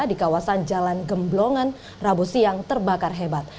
di kawasan jalan gemblongan rabusi yang terbakar hebat